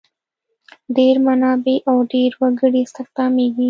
ډېر منابع او ډېر وګړي استخدامیږي.